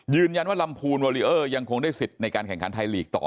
ลำพูนวอลิเออร์ยังคงได้สิทธิ์ในการแข่งขันไทยลีกต่อ